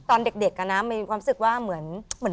ตอนเด็กมีความรู้สึกว่าเหมือน